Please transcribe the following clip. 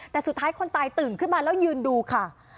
แต่สุดท้ายคนตายตื่นขึ้นมาแล้วยืนดูค่ะ